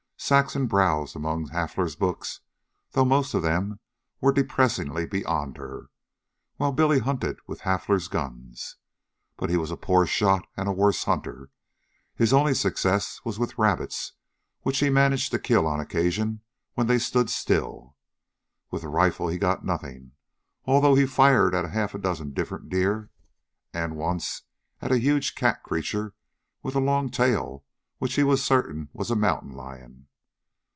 Saxon browsed among Hafler's books, though most of them were depressingly beyond her, while Billy hunted with Hafler's guns. But he was a poor shot and a worse hunter. His only success was with rabbits, which he managed to kill on occasions when they stood still. With the rifle he got nothing, although he fired at half a dozen different deer, and, once, at a huge cat creature with a long tail which he was certain was a mountain lion.